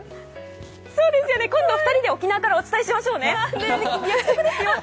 今度は２人で沖縄からお伝えしましょうね。